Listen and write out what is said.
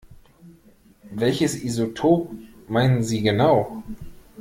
Welches Isotop meinen Sie genau?